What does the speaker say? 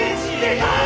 はい。